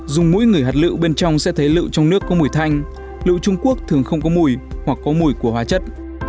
dùng mũi người hạt lựu bên trong sẽ thấy lựu trong nước có mùi thanh lựu trung quốc thường không có mùi hoặc có mùi của hóa chất